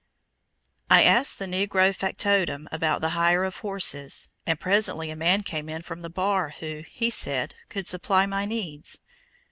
I asked the Negro factotum about the hire of horses, and presently a man came in from the bar who, he said, could supply my needs.